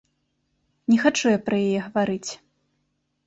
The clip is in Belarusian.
Не хачу я пра яе гаварыць.